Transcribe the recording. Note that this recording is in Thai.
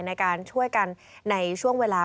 ในการช่วยกันในช่วงเวลา